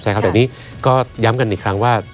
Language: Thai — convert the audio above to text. ใช่ครับแต่นี้ก็ย้ำกันอีกครั้งว่า